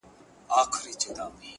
اولادونه مي له لوږي قتل کېږي!.